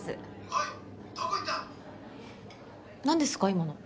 今の。